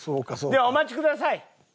ではお待ちください。